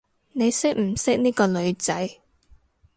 你識唔識呢個女仔？